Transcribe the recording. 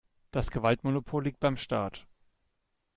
Das Gewaltmonopol liegt beim Staat.